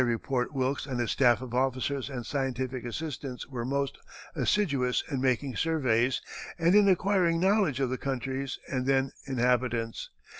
] At every port Wilkes and his staff of officers and scientific assistants were most assiduous in making surveys and in acquiring knowledge of the countries and their inhabitants.